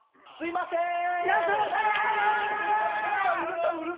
すいませーん！